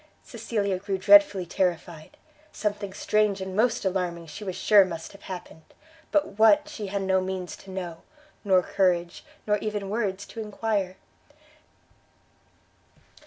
Cecilia grew dreadfully terrified; something strange and most alarming she was sure must have happened, but what, she had no means to know, nor courage, nor even words to enquire.